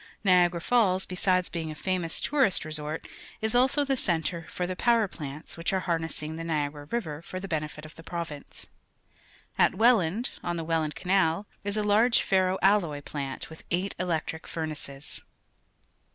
Niaga ra Falls. besides being a famous tourist resort, is a lso the centre for the power plants which are harnessing the Niag ara River for the tenefit of the province. At Wetland, on the AYellan^d Canal, is a lai'ge ferro alloy plant with eight elec tric furnaces.